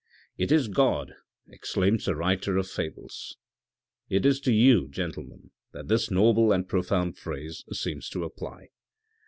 '// is god ' exclaims the writer of fables. It is to you, gentlemen, that this noble and profound phrase seems to apply.